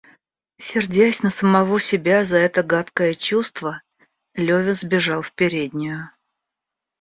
Сердясь на самого себя за это гадкое чувство, Левин сбежал в переднюю.